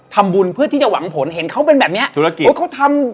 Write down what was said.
เพื่อที่จะหวังผลเห็นเขาเป็นแบบเนี้ยธุรกิจโอ้ยเขาทำ